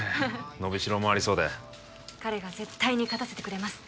伸びしろもありそうで彼が絶対に勝たせてくれます